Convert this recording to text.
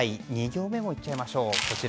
２行目もいっちゃいましょう。